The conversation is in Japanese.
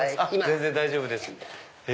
全然大丈夫です。